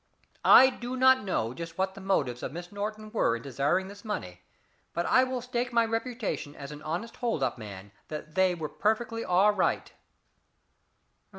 I do not know just what the motives of Miss Norton were in desiring this money, but I will stake my reputation as an honest hold up man that they were perfectly all right."